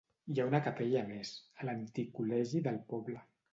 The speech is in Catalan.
Hi ha una capella més: a l'antic col·legi del poble.